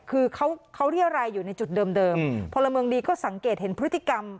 คือเขาเขาเรียรัยอยู่ในจุดเดิมพลเมืองดีก็สังเกตเห็นพฤติกรรม